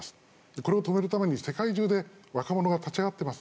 これを止めるために世界中で若者が立ち上がってます。